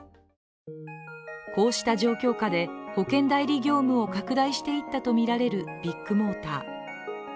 こうした状況下で、保険代理業務を拡大していったとみられるビッグモーター。